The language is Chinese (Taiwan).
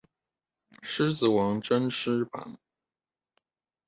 獅子王真獅版